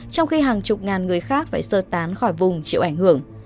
trong khi hàng chục ngàn người khác phải sơ tán khỏi vùng chịu ảnh hưởng